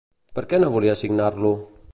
Per què no volia signar-lo?